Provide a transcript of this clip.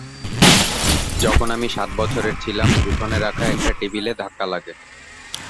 যখন আমি সাত বছরের ছিলাম, উঠোনে রাখা একটা টেবিলে ধাক্কা লাগে।